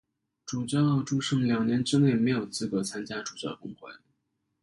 主教祝圣两年之内没有资格参加主教公会。